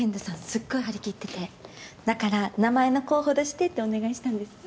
すっごい張り切っててだから名前の候補出してってお願いしたんです。